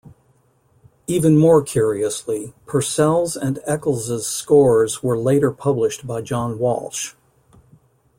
Even more curiously, Purcell's and Eccles's scores were later published by John Walsh.